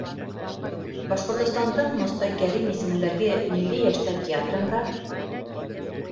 Башҡортостандың Мостай Кәрим исемендәге Милли йәштәр театрында